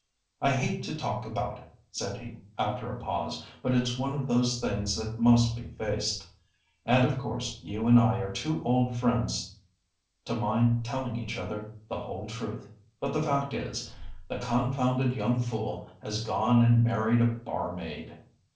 "I hate to talk about it," said he, after a pause, "but it's one of those things that must be faced. And of course you and I are too old friends to mind telling each other the whole truth. But the fact is, the confounded young fool has gone and married a barmaid."